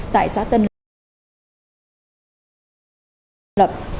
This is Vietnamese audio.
tại xã tân lâm